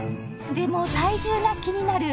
でも体重が気になる